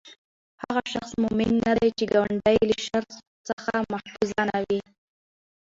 هغه شخص مؤمن نه دی، چې ګاونډی ئي له شر څخه محفوظ نه وي